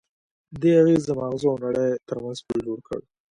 دې اغېز د ماغزو او نړۍ ترمنځ پُل جوړ کړ.